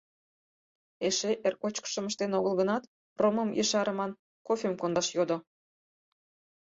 Эше эр кочкышым ыштен огыл гынат, ромым ешарыман кофем кондаш йодо.